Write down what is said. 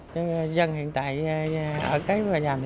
cho dân hiện tại ở cái nhà này